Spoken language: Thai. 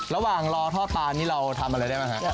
ระหว่างรอทอดปลานี่เราทำอะไรได้บ้างฮะ